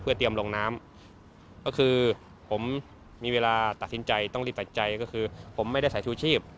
เตรียมลงน้ำก็คือผมมีเวลาตัดสินใจต้องรีบปัจจัยก็คือผมไม่ได้ใส่ชูชีพ